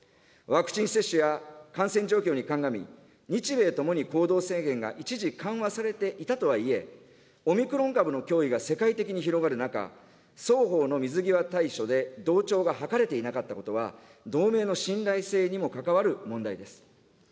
ワクチン接種や感染状況に鑑み、日米ともに行動制限が一時緩和されていたとはいえ、オミクロン株の脅威が世界的に広がる中、双方の水際対処で同調が図れていなかったことは、同盟の信頼性にも関わる問題です。